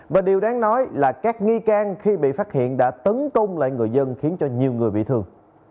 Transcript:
và điều đáng nói là các nghi can khi bị phát hiện đã tấn công lại người dân khiến cho nhiều người bị thương